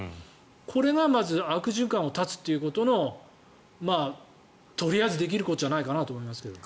これがまず悪循環を断つということのとりあえずできることじゃないかなと思いますけど。